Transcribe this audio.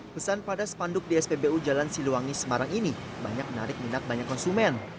pesan pada spanduk di spbu jalan siluwangi semarang ini banyak menarik minat banyak konsumen